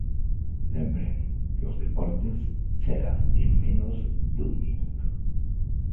Lembren que os deportes chegan en menos dun minuto.